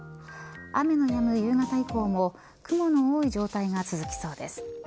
雨のやむ夕方以降も雲の多い状態が続きそうです。